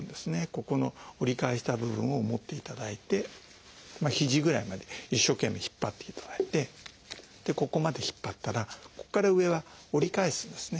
ここの折り返した部分を持っていただいてひじぐらいまで一生懸命引っ張っていただいてここまで引っ張ったらここから上は折り返すんですね。